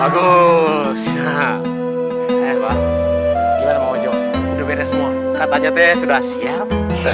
kata nyatanya sudah siap